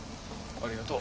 ありがとう。